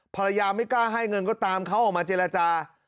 ภรรยาไม่กล้าให้เงินก็ตามเขาออกมาเจรจา